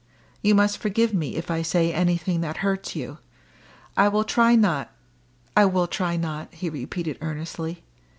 You must forgive me if I say anything that hurts you. I will try not I will try not!" he repeated earnestly.